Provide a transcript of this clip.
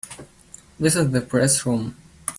This is the Press Room.